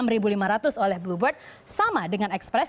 rp enam lima ratus oleh bluebird sama dengan express